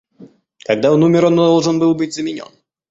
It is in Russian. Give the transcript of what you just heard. Когда он умер, он должен был быть заменен.